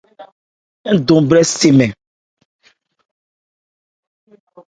Ń dɛn bhwe se mɛn.